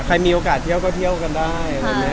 ใครมีโอกาสเที่ยวก็เที่ยวกันได้